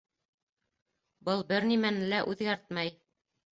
Был бер нимәне лә үҙгәртмәй.